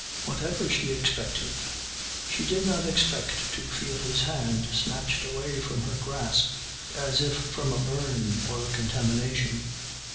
Whatever she expected she did not expect to feel his hand snatched away from her grasp as if from a burn or a contamination.